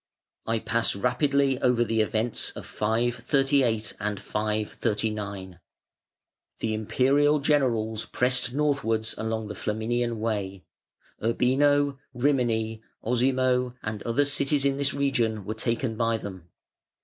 I pass rapidly over the events of 538 and 539. The Imperial generals pressed northwards along the Flaminian Way. Urbino, Rimini, Osimo, and other cities in this region were taken by them.